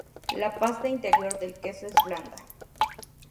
La pasta interior del queso es blanda.